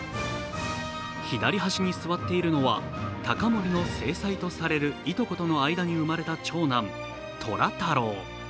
左端に座っているのは隆盛の正妻とされる糸子との間に生まれた長男・寅太郎。